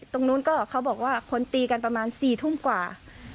ตรงนู้นก็เขาบอกว่าคนตีกันประมาณ๔ทุ่มกว่า